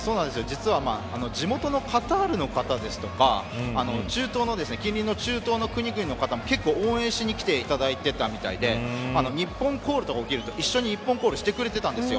実は地元のカタールの方ですとか中東の近隣の国々の方も結構、応援しに来ていただいてだみたいで日本コールとかが起きると一緒に日本コールをしてくれていたんです。